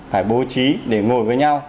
phải bố trí để ngồi với nhau